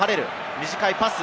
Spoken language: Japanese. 短いパス。